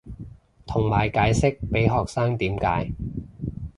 同埋解釋被學生點解